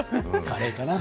カレーかな？